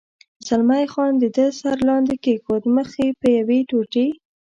زلمی خان د ده سر لاندې کېښود، مخ یې په یوې ټوټې.